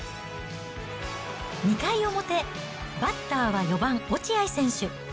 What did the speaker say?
２回表、バッターは４番落合選手。